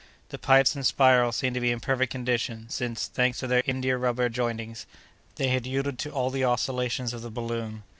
The pipes and spiral seemed to be in perfect condition, since, thanks to their india rubber jointings, they had yielded to all the oscillations of the balloon.